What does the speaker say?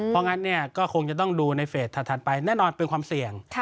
เพราะงั้นก็คงจะต้องดูในเฟสถัดไปแน่นอนเป็นความเสี่ยง